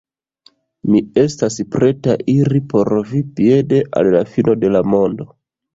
Mi estas preta iri por vi piede al la fino de la mondo.